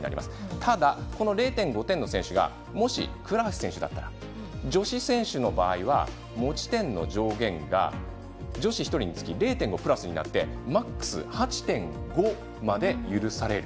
ただ、０．５点の選手が倉橋選手だったら女子選手の場合は持ち点の上限が女子１人につき０．５プラスになってマックス８．５まで許される。